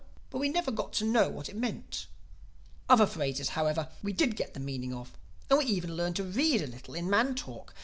But we never got to know what it meant. Other phrases, however, we did get the meaning of; and we even learned to read a little in man talk.